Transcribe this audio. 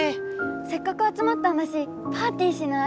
せっかくあつまったんだしパーティーしない？